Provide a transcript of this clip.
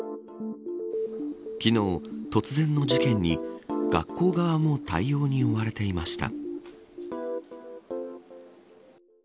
昨日、突然の事件に学校側も対応に追われていました。